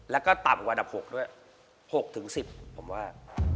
แล้วก็ต่ำกว่าอันดับ๖ด้วย๖๑๐ผมว่า